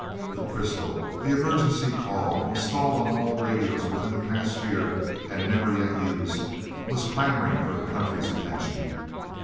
The crystal, the emergency call, installed on all radios within the past year and never yet used, was clamoring for the country's attention.